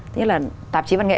tức là tạp chí văn nghệ